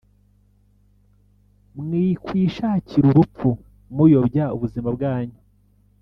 Mwikwishakira urupfu muyobya ubuzima bwanyu,